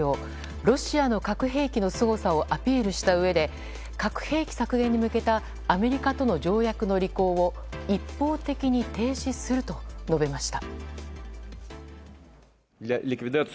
ロシアの核兵器のすごさをアピールしたうえで核兵器削減に向けたアメリカとの条約の履行を一方的に停止すると述べました。